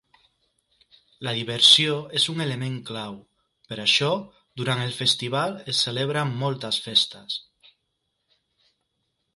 La diversió és un element clau; per això, durant el festival es celebren moltes festes.